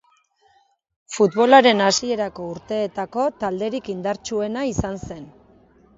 Futbolaren hasierako urteetako talderik indartsuena izan zen.